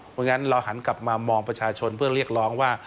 เพราะฉะนั้นเราหันกลับมามองประชาชนเพื่อเรียกร้องว่า